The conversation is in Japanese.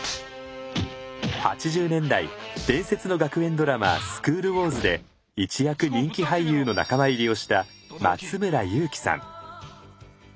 ８０年代伝説の学園ドラマ「スクール☆ウォーズ」で一躍人気俳優の仲間入りをした松村雄基さん。